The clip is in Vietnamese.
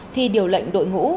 thi điều lệnh đội ngũ